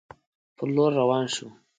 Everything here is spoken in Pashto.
پر لور روان شو.